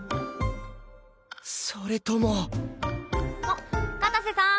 それともあっ片瀬さん